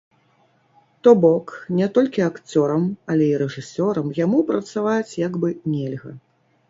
То бок, не толькі акцёрам, але і рэжысёрам яму працаваць як бы нельга.